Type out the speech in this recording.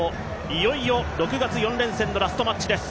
いよいよ６月４連戦のラストマッチです。